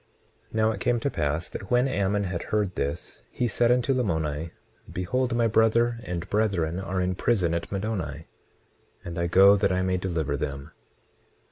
20:3 Now it came to pass that when Ammon had heard this, he said unto Lamoni: Behold, my brother and brethren are in prison at Middoni, and I go that I may deliver them.